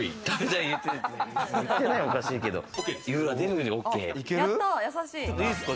いいですか？